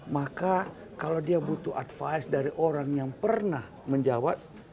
maka kalau dia butuh advice dari orang yang pernah menjawab